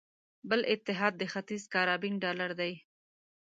بل اتحاد د ختیځ کارابین ډالر دی.